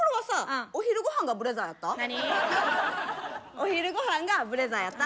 お昼御飯がブレザーやった？